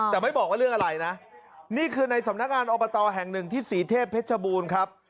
แต่ไม่บอกว่าเรื่องอะไรนะนี่คือในสำนักงานอบตแห่งหนึ่งที่ศรีเทพเพชรบูรณ์ครับ